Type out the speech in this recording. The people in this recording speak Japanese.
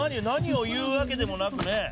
何を言うわけでもなくね。